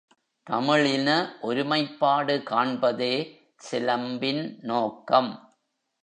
தமிழின ஒருமைப்பாடு காண்பதே சிலம்பின் நோக்கம்.